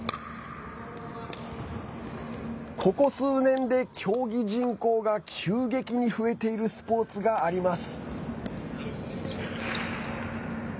ここ数年で競技人口が急激に増えているスポーツがあります。